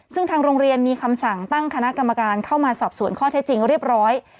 ซึ่งทางโรงเรียนมีคำสั่งตั้งคณะกรรมการเข้ามาสอบสวนข้อเท็จจริงเรียบร้อย